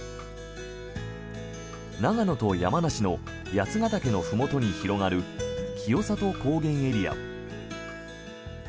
長野と山梨の八ケ岳のふもとに広がる清里高原エリア。